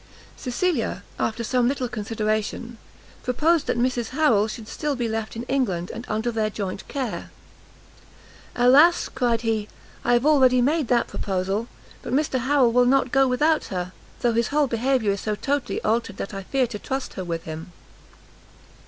Cecilia, after some little consideration, proposed that Mrs Harrel should still be left in England, and under their joint care. "Alas!" cried he, "I have already made that proposal, but Mr Harrel will not go without her, though his whole behaviour is so totally altered, that I fear to trust her with him."